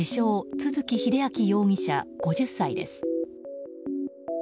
都築英明容疑者、５０歳です。